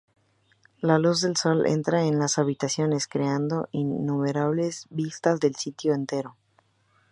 La luz del sol entra en las habitaciones, creando innumerables vistas del sitio entero.